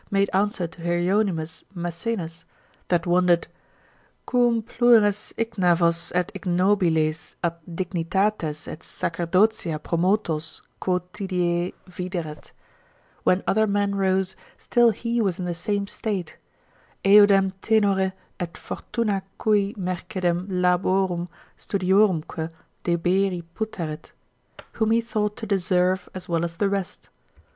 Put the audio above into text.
made answer to Hieronymus Massainus, that wondered, quum plures ignavos et ignobiles ad dignitates et sacerdotia promotos quotidie videret, when other men rose, still he was in the same state, eodem tenore et fortuna cui mercedem laborum studiorumque deberi putaret, whom he thought to deserve as well as the rest.